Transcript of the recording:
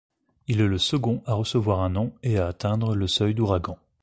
Il est le second à recevoir un nom et à atteindre le seuil d'ouragan.